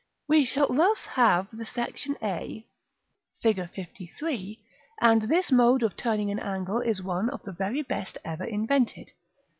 We shall thus have the section a, Fig. LIII.; and this mode of turning an angle is one of the very best ever invented.